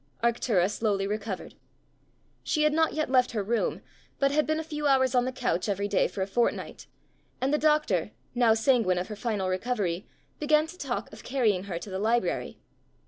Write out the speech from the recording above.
Arctura slowly recovered. She had not yet left her room, but had been a few hours on the couch every day for a fortnight, and the doctor, now sanguine of her final recovery, began to talk of carrying her to the library.